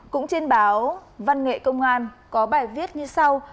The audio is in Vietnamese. cũng trên báo văn nghệ công an có bài viết như sau